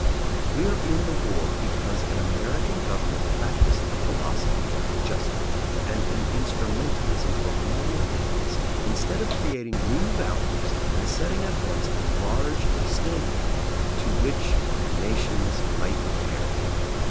We are in the war because an American Govern ment practiced a philosophy of adjustment, and an instrumentalism for minor ends, instead of cre ating new values and setting at once a large stand ard to which the nations might repair.